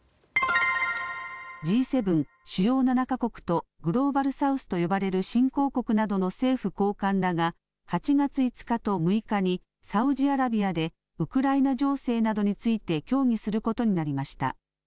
Ｇ７・主要７か国とグローバル・サウスと呼ばれる新興国などの政府高官らが８月５日と６日にサウジアラビアでウクライナ情勢などについて協議することになりました。